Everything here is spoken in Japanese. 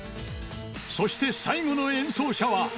［そして最後の演奏者は］